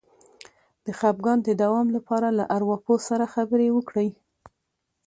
د خپګان د دوام لپاره له ارواپوه سره خبرې وکړئ